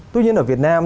tuy nhiên ở việt nam